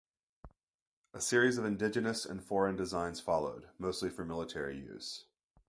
A series of indigenous and foreign designs followed, mostly for military use.